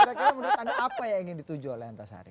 kira kira menurut anda apa yang ingin dituju oleh antasari